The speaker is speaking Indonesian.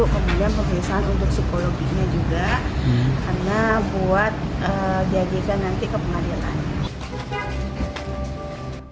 kemudian pemeriksaan untuk psikologinya juga karena buat diajikan nanti ke pengadilan